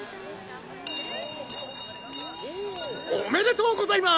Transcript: おめでとうございます。